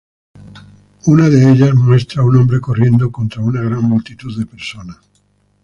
Una de ellas muestra a un hombre corriendo contra una gran multitud de personas.